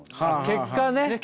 結果ね！